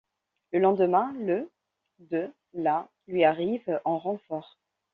Le lendemain, le de la lui arrive en renfort.